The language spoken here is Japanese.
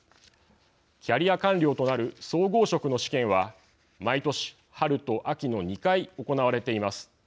キャリア官僚となる総合職の試験は毎年春と秋の２回行われています。